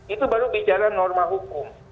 itu baru bicara norma hukum